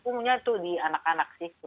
umumnya itu di anak anak sih